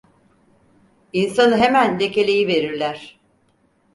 İnsanı hemen lekeleyiverirler.